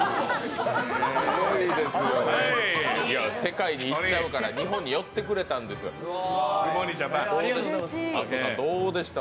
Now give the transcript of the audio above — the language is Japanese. すごいですよね、世界に行っちゃうから、日本に寄ってくれたんですよどうでした？